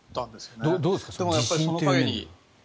どうです？